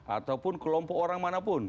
ataupun kelompok orang manapun